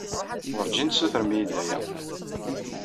Wurǧin tessutrem-iyi-d aya.